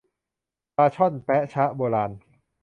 ปลาช่อนแป๊ะซะโบราณ